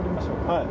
はい。